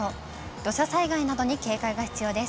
土砂災害などに警戒が必要です。